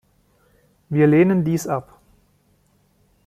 Wir lehnen dies ab.